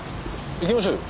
行きましょうよ。